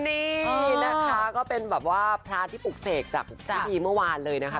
นี่นะคะก็เป็นแบบว่าพระที่ปลูกเสกจากพิธีเมื่อวานเลยนะคะ